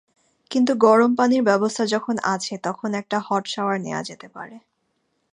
কিন্তু গরম পানির ব্যবস্থা যখন আছে, তখন একটা হট শাওয়ার নেয়া যেতে পারে।